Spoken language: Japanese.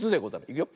いくよ。